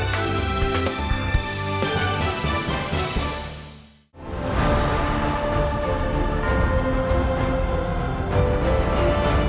hẹn gặp lại